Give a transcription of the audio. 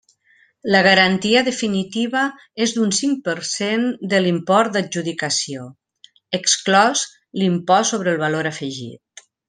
La garantia definitiva és d'un cinc per cent de l'import d'adjudicació, exclòs l'Impost sobre el Valor Afegit.